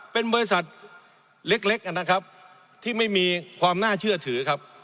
เป็นบริษัทเล็กนะครับที่ไม่มีความน่าเชื่อถือครับ